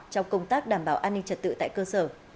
trong công tác đảm bảo an ninh trật tự tại cơ sở